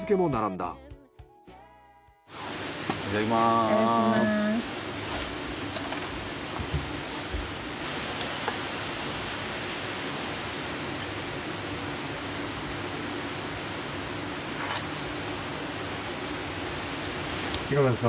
いかがですか？